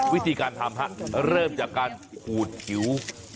วิธีการทำเริ่มจากการขูดผิว